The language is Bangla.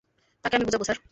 তাকে আমি বুঝাবো, স্যার।